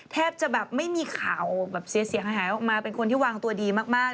แทบจะแบบไม่มีข่าวแบบเสียหายออกมาเป็นคนที่วางตัวดีมาก